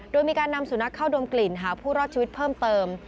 โดยมีการนำสุนัขเข้าดมกลิ่นหาผู้รอดชีวิตเพิ่มเติม